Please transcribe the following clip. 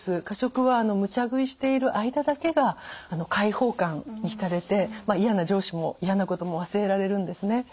過食はむちゃ食いしている間だけが解放感に浸れて嫌な上司も嫌なことも忘れられるんですね。